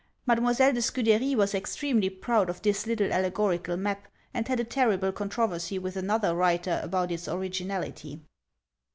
Mademoiselle de Scudery was extremely proud of this little allegorical map; and had a terrible controversy with another writer about its originality.